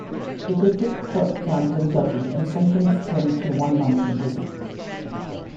The district court found him guilty and sentenced him to one month in prison.